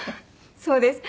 そうです。